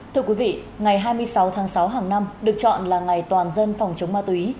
thưa quý vị ngày hai mươi sáu tháng sáu hàng năm được chọn là ngày toàn dân phòng chống ma túy